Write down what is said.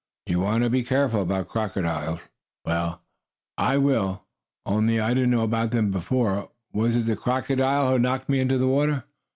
You want to be careful about crocodiles." "Well, I will," said Nero. "Only I didn't know about them before. Was it the crocodile who knocked me into the water?"